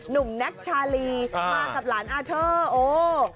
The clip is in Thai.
นุ่มแน็กซ์ชาลีว่ากับหลานอาร์เทอร์โอ๊ย